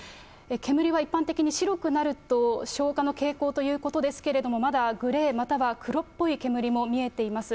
煙は一般的に白くなると消火の傾向ということですけれども、まだグレー、または黒っぽい煙も見えています。